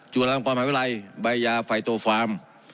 จุดลำความภายวิรัยใบยาไฟโตฟาร์ม